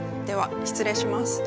では失礼します。